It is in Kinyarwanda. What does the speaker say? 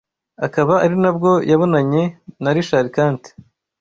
akaba ari nabwo yabonanye na Richard Kandt